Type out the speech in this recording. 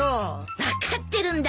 分かってるんだ